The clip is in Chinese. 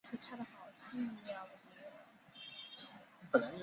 所以必须使用相对论进行卫星时间的修正。